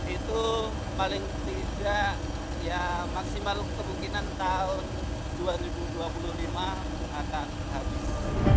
itu paling tidak ya maksimal kemungkinan tahun dua ribu dua puluh lima akan habis